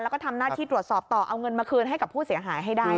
แล้วก็ทำหน้าที่ตรวจสอบต่อเอาเงินมาคืนให้กับผู้เสียหายให้ได้